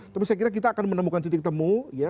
tapi saya kira kita akan menemukan titik temu ya